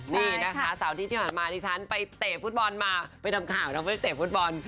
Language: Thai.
นี่นะคะสาวที่ที่มาที่ฉันไปเตะฟุตบอลมาไปทำข่าวนะไปเตะฟุตบอล